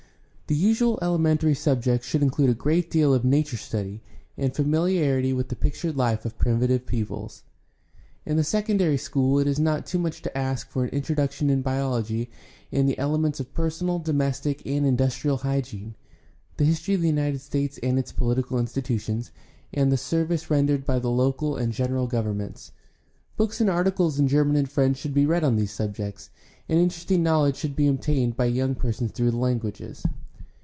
The usual elementary subjects should include a great deal of ''nature study" and familiarity with the pic tured life of primitive peoples. In the secondary school it is not too much to ask for an introduction to biology and the elements of personal, domestic, and industrial hygiene, the history of the United States and its political institutions, and the service rendered by the local and general governments. Books and articles in German and French should be read on these subjects, and interesting knowledge should be obtained by young persons through these languages.